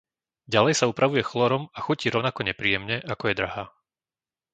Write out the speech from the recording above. Ďalej sa upravuje chlórom a chutí rovnako nepríjemne, ako je drahá.